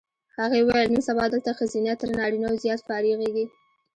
هغې وویل نن سبا دلته ښځینه تر نارینه و زیات فارغېږي.